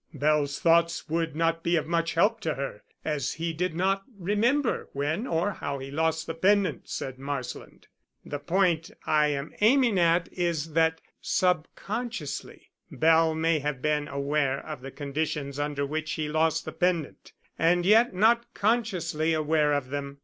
"Bell's thoughts would not be of much help to her, as he did not remember when or how he lost the pendant," said Marsland. "The point I am aiming at is that sub consciously Bell may have been aware of the conditions under which he lost the pendant, and yet not consciously aware of them.